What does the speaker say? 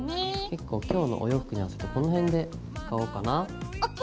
結構今日のお洋服に合わせてこの辺で使おうかな。ＯＫ！